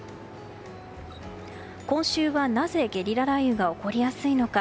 今週はなぜ、ゲリラ雷雨が起こりやすいのか。